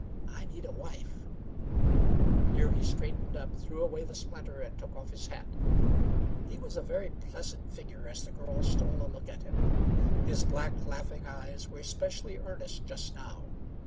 I need a wife." Here he straightened up, threw away the splinter, and took off his hat. He was a very pleasant figure as the girl stole a look at him. His black laughing eyes were especially earnest just now.